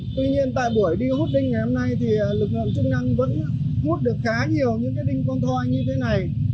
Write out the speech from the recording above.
tuy nhiên tại buổi đi hút đinh ngày hôm nay thì lực lượng chức năng vẫn hút được khá nhiều những cái đinh con thoi như thế này